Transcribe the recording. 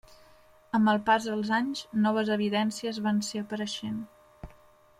Amb el pas dels anys, noves evidències van ser apareixent.